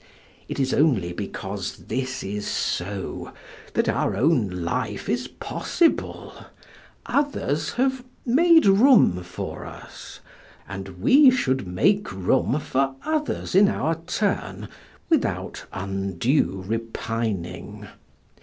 It is only because this is so that our own life is possible; others have made room for us, and we should make room for others in our turn without undue repining.